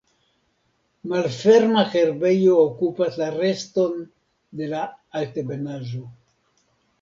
Malferma herbejo okupas la reston de la altebenaĵo.